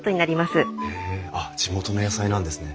へえあっ地元の野菜なんですね。